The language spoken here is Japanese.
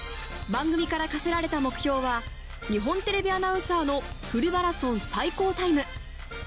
番組から課せられた目標は日本テレビアナウンサーのフルマラソン最高タイム。